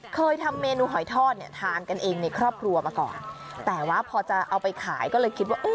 เคยทำเมนูหอยทอดเนี่ยทานกันเองในครอบครัวมาก่อนแต่ว่าพอจะเอาไปขายก็เลยคิดว่าเออ